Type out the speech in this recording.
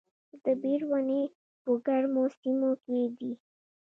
د بیر ونې په ګرمو سیمو کې دي؟